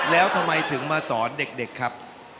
แล้วทำไมถึงมาสอนเด็กครับ